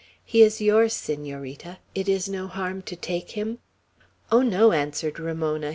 He is yours, Senorita. It is no harm to take him?" "Oh, no!" answered Ramona.